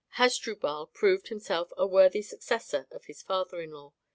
Hasdrubal proved himself a worthy successor of his father in law.